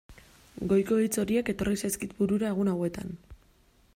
Goiko hitz horiek etorri zaizkit burura egun hauetan.